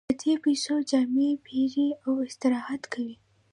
په دې پیسو جامې پېري او استراحت کوي